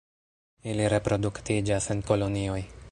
Ili reproduktiĝas en kolonioj.